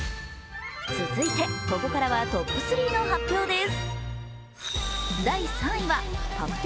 続いて、ここからはトップ３の発表です。